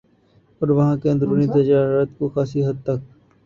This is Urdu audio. اور وہاں کے اندرونی درجہ حرارت کو خاصی حد تک